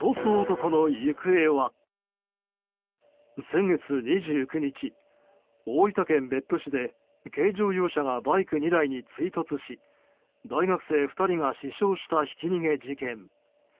先月２９日、大分県別府市で軽乗用車がバイク２台に追突し大学生２人が死傷したひき逃げ事件。